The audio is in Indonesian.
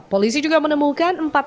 polisi juga menemukan